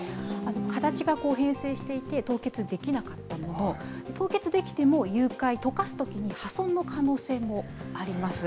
形が変性していて凍結できなかったもの、凍結できても、融解、とかすときに破損の可能性もあります。